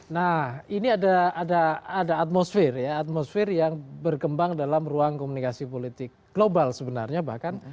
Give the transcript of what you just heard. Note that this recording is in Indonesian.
nah ini ada atmosfer ya atmosfer yang berkembang dalam ruang komunikasi politik global sebenarnya bahkan